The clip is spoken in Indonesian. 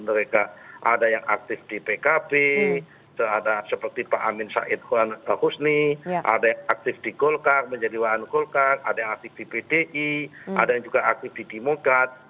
mereka ada yang aktif di pkb ada seperti pak amin said kwan bahusni ada yang aktif di golkar menjadi waan golkar ada yang aktif di pdi ada yang juga aktif di demokrat